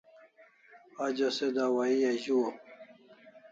Ajo se dawahi azuaw